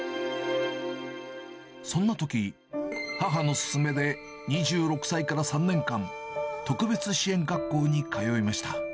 そんなとき、母の勧めで、２６歳から３年間、特別支援学校に通いました。